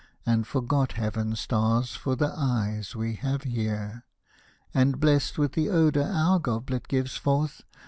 And forgot heaven's stars for the eyes we have here. And, blessed with the odour our goblet gives forth.